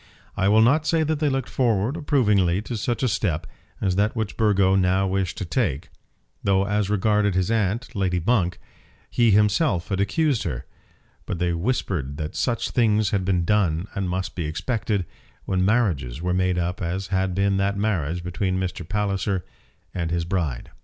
I will not say that they looked forward approvingly to such a step as that which Burgo now wished to take, though as regarded his aunt, Lady Monk, he himself had accused her; but they whispered that such things had been done and must be expected, when marriages were made up as had been that marriage between Mr. Palliser and his bride.